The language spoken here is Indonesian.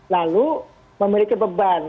lalu memiliki beban